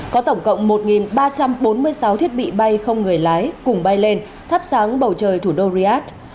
có tổng cộng một ba trăm bốn mươi sáu thiết bị bay không người lái cùng bay lên thắp sáng bầu trời thủ đô riyadh